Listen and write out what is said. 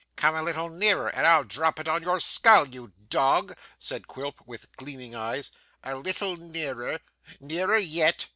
'Come a little nearer, and I'll drop it on your skull, you dog,' said Quilp, with gleaming eyes; 'a little nearer nearer yet.